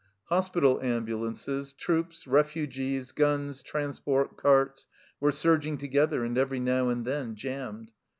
Hospital ambulances, troops, refugees, guns, transport, carts, were surg ing together and every now and then jammed.